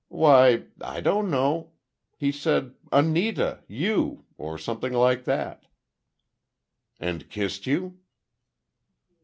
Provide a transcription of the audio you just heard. "Why—I don't know. He said—'Anita! You!'—or something like that." "And kissed you?"